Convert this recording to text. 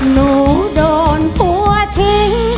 หนูโดนตัวทิ้ง